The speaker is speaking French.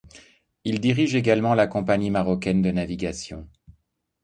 Il dirige également la Compagnie marocaine de navigation.